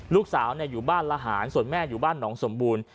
ลูกสาวอยู่บ้านละหารส่วนแม่อยู่บ้านหนองสมบูรณ์